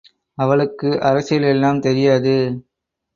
அவளுக்கு அரசியல் எல்லாம் தெரியாது.